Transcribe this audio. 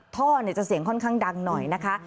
ท่อจะเสียงค่อนข้างดังหน่อยนะคะ